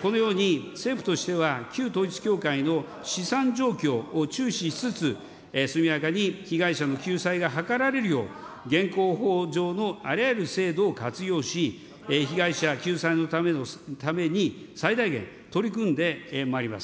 このように政府としては旧統一教会の資産状況を注視しつつ、速やかに被害者の救済が図られるよう、現行法上のあらゆる制度を活用し、被害者救済のために最大限取り組んでまいります。